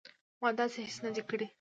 ما داسې هیڅ نه دي کړي